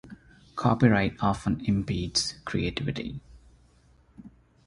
Copyright often impedes creativity.